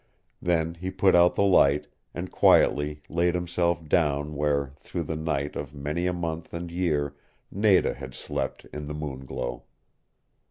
Then he put out the light and quietly laid himself down where through the nights of many a month and year Nada had slept in the moon glow.